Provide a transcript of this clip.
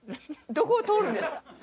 どこ通るんですか？